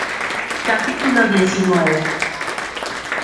capítulo diecinueve.